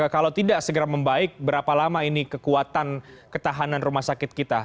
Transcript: kalau tidak segera membaik berapa lama ini kekuatan ketahanan rumah sakit kita